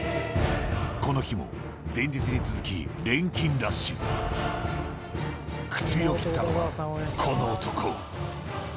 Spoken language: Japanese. この日も、前日に続き、錬金ラッシュ。口火を切ったのはこの男。